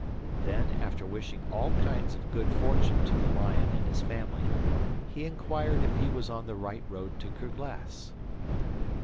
Then, after wishing all kinds of good fortune to the lion and his family, he inquired if he was on the right road to Kerglas.